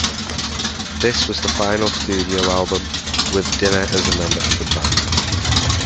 This was the final studio album with Dinner as a member of the band.